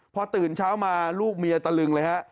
พอตื่นเช้ามาลูกเมียตะลึงเลยฮะ